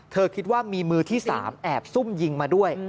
คิดว่ามีมือที่๓แอบซุ่มยิงมาด้วย